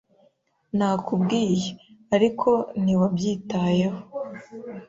Nakubwiye, ariko ntiwabyitayeho.